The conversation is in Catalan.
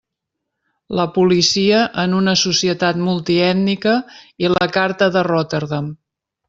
La policia en una societat multi ètnica i la carta de Rotterdam.